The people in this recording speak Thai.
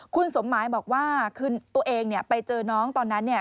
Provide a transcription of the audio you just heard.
คุณสมหมายบอกว่าตัวเองไปเจอน้องตอนนั้น